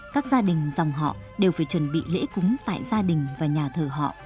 các gia đình dòng họ đều phải chuẩn bị lễ cúng tại gia đình và nhà thờ họ